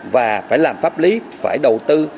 và phải làm pháp lý phải đầu tư